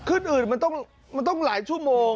อื่นมันต้องหลายชั่วโมง